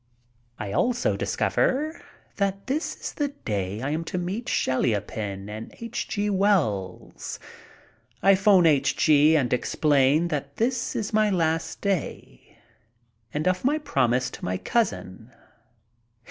I also discover that this is the day I am to meet Chaliapin and H. G. Wells. I phone H. G. and explain that this is my last day, and of my promise to my cousin.